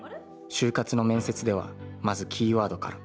就活の面接ではまずキーワードから。